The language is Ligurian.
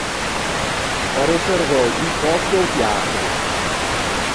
Ò reservou doî pòsti a-o tiatro.